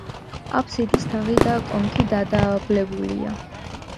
აფსიდის თაღი და კონქი დადაბლებულია.